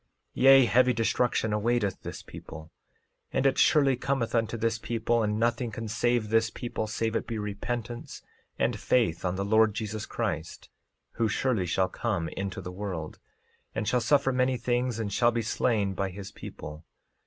13:6 Yea, heavy destruction awaiteth this people, and it surely cometh unto this people, and nothing can save this people save it be repentance and faith on the Lord Jesus Christ, who surely shall come into the world, and shall suffer many things and shall be slain for his people.